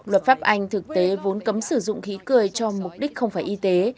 luật pháp anh thực tế vốn cấm sử dụng khí cười cho mục đích không phải y tế